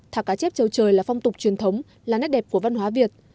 thả cá chép châu trời là phong tục truyền thống là nét đẹp của văn hóa việt